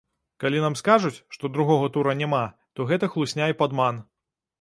Калі нам скажуць, што другога тура няма, то гэта хлусня і падман.